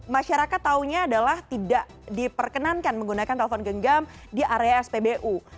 masyarakat tahunya adalah tidak diperkenankan menggunakan telepon genggam di area spbu